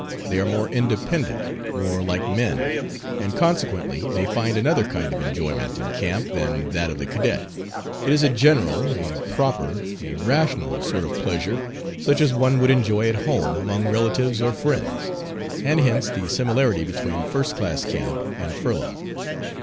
They are more independent more like men; and consequently they find another kind of enjoyment in camp than that of the cadet. It is a general, a proper, a rational sort of pleasure such as one would enjoy at home among relatives or friends, and hence the similarity between first class camp and furlough.